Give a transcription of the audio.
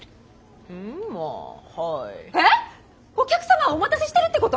お客様をお待たせしてるってこと！？